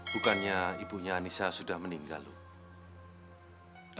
bukannya ibunya anissa sudah meninggal loh